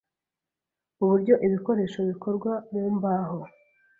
uburyo ibikoresho bikorwa mu mbaho